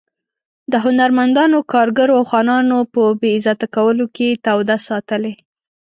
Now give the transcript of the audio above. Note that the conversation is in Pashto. د هنرمندانو، کارګرو او خانانو په بې عزته کولو کې توده ساتلې.